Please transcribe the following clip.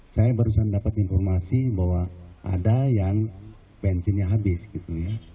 saya barusan dapat informasi bahwa ada yang bensinnya habis gitu ya